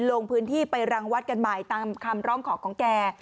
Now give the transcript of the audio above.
ลงพื้นที่ไปรังวัดกันใหม่ตามคำร้องขอของแก